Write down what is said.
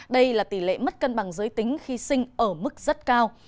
đây là tỷ lệ mất cân bằng giới tính khi sinh ở mức rất cao